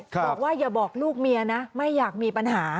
บอกว่าอย่าบอกลูกเมียนะไม่อยากมีปัญหา